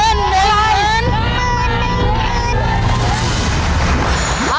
หนึ่งหมื่นหนึ่งหมื่น